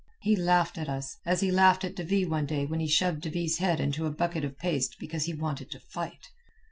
He laughed at us, as he laughed at De Ville one day when he shoved De Ville's head into a bucket of paste because he wanted to fight.